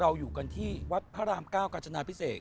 อยู่กันที่วัดพระราม๙กาจนาพิเศษ